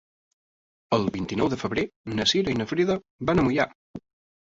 El vint-i-nou de febrer na Cira i na Frida van a Moià.